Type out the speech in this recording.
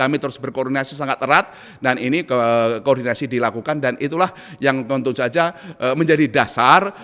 kami terus berkoordinasi sangat erat dan ini koordinasi dilakukan dan itulah yang tentu saja menjadi dasar